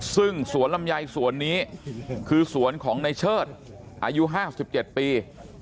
ซึ่งสวนลำไยสวนนี้คือสวนของในเชิดอายุ๕๗ปี